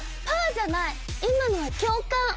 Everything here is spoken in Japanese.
ぱぁーじゃない、今のは共感。